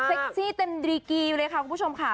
ซี่เต็มดรีกีเลยค่ะคุณผู้ชมค่ะ